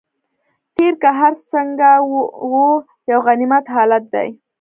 تېر که هر څنګه و یو غنیمت حالت دی.